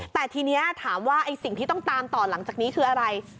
แต่ทีนี้ถามว่าไอ้สิ่งที่ต้องตามต่อหลังจากนี้คืออะไร